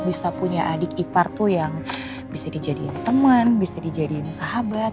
bisa punya adik ipar tuh yang bisa dijadiin teman bisa dijadiin sahabat